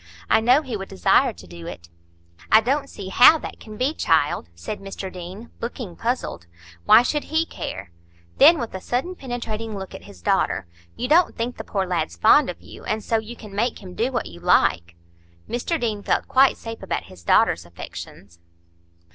I know he would desire to do it." "I don't see how that can be, child," said Mr Deane, looking puzzled. "Why should he care?"—then, with a sudden penetrating look at his daughter, "You don't think the poor lad's fond of you, and so you can make him do what you like?" (Mr Deane felt quite safe about his daughter's affections.)